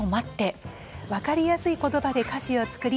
分かりやすい言葉で歌詞を作り